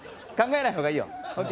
考えないほうがいいよ。